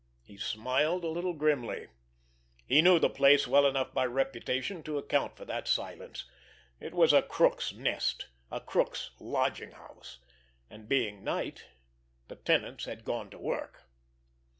He smiled a little grimly. He knew the place well enough by reputation to account for that silence. It was a crooks' nest, a crooks' lodging house, and, being night, the tenants had gone to work!